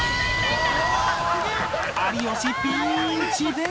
有吉ピンチ！